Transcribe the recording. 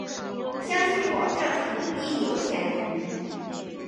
相信我，这肯定有前途